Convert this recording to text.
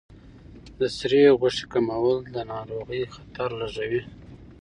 د سرې غوښې کمول د ناروغۍ خطر لږوي.